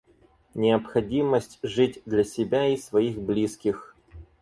Необходимость жить для себя и своих близких.